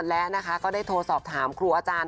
และนะคะก็ได้โทรสอบถามครูอาจารย์